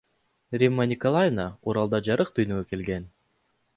Римма Николаевна Уралда жарык дүйнөгө келген.